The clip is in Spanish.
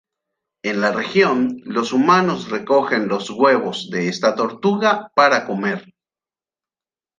En la región, los humanos recogen los huevos de esta tortuga para comer.